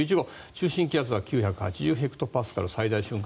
中心気圧は９８０ヘクトパスカル最大瞬間